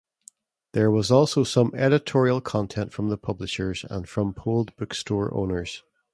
There was also some editorial content from the publishers, and from polled bookstore owners.